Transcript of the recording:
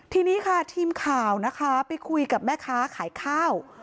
ทีนี้ค่ะทีมข่าวนะคะไปคุยกับแม่ค้าขายข้าว